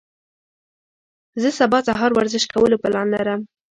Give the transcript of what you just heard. زه سبا سهار ورزش کولو پلان لرم.